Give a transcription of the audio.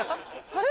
あれ？